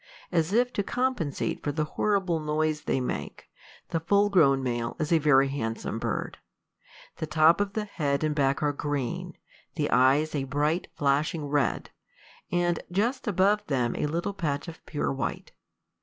As if to compensate for the horrible noise they make, the full grown male is a very handsome bird. The top of the head and back are green, the eyes a bright, flashing red, and just above them a little patch of pure white.